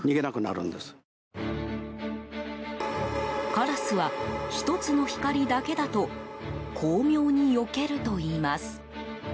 カラスは１つの光だけだと巧妙によけるといいます。